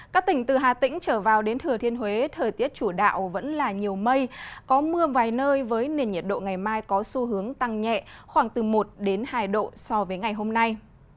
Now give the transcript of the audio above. các tỉnh từ hà tĩnh trở vào đến thừa thiên huế thời tiết chủ đạo vẫn là nhiều mây có mưa vài nơi với nền nhiệt độ ngày mai có xu hướng tăng nhẹ khoảng từ một hai độ so với ngày hôm nay